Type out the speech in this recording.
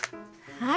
はい。